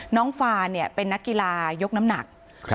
น้องฟาเนี้ยเป็นนักกีฬายกน้ำหนักค่ะ